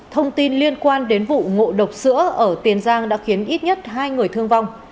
thông tin liên quan đến vụ ngộ độc sữa ở tiền giang đã khiến ít nhất hai người thương vong